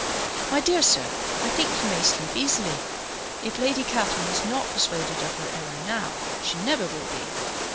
"My dear sir, I think you may sleep easily. If Lady Catherine is not persuaded of her error now, she never will be.